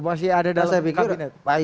masih ada dalam kabinet